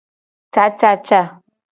Cacaca.